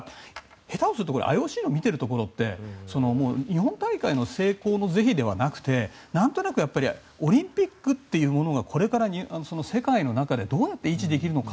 下手するとＩＯＣの見てるところって日本大会の成功の是非ではなくてなんとなくオリンピックというものがこれから世界の中でどうやって維持できるのか。